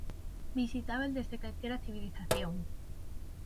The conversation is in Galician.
Visitábel desde calquera civilización.